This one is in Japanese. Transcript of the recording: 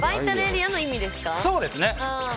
そうですね。